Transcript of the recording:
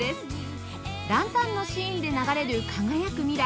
ランタンのシーンで流れる『輝く未来』